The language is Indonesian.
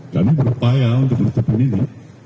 kami berupaya untuk tutupin ini